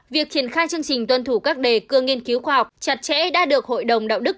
việc triển khai chương trình tuân thủ các đề cương nghiên cứu khoa học chặt chẽ đã được hội đồng đạo đức